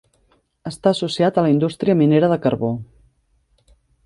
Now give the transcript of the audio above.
Està associat a la indústria minera de carbó.